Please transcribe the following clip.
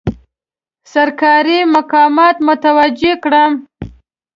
سرکاري مقامات متوجه کړم.